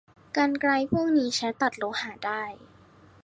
กรรไกรพวกนี้ใช้ตัดโลหะได้